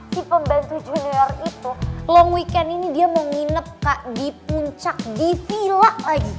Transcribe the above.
si pembantu junior itu long weekend ini dia mau nginep di puncak di vila lagi